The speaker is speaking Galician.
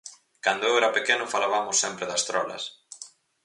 Cando eu era pequeno falabamos sempre das trolas.